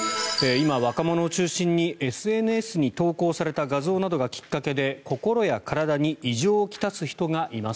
今、若者を中心にＳＮＳに投稿された画像などがきっかけで心や体に異常を来す人がいます。